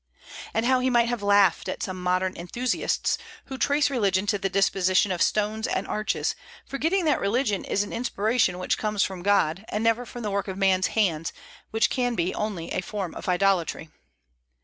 And how he might have laughed at some modern enthusiasts, who trace religion to the disposition of stones and arches, forgetting that religion is an inspiration which comes from God, and never from the work of man's hands, which can be only a form of idolatry.